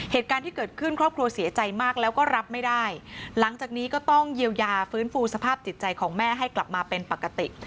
เหตุการณ์ที่เกิดขึ้นครอบครัวเสียใจมากแล้วก็รับไม่ได้หลังจากนี้ก็ต้องเยียวยาฟื้นฟูสภาพจิตใจของแม่ให้กลับมาเป็นปกติ